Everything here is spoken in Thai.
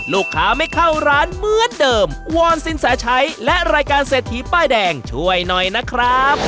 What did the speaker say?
ลูกค้าไม่เข้าร้านเหมือนเดิมวอนสินแสชัยและรายการเศรษฐีป้ายแดงช่วยหน่อยนะครับ